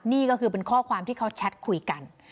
นี่ก็คือเป็นข้อความที่เขาแชทคุยกัน